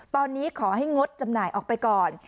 ตอนนี้ขอให้งดจำหน่ายออกไปก่อน